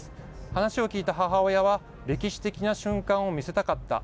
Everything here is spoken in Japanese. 話を聞いた母親は歴史的な瞬間を見せたかった。